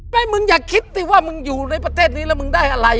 มึงอย่าคิดสิว่ามึงอยู่ในประเทศนี้แล้วมึงได้อะไร